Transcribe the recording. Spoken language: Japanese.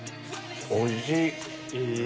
おいしい！